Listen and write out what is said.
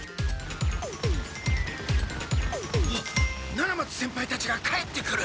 七松先輩たちが帰ってくる！